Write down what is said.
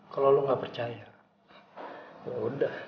kalau lo gak percaya yaudah